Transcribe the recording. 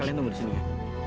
kalian tunggu disini ya